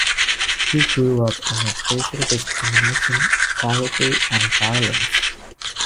He grew up amid racial discrimination, poverty, and violence.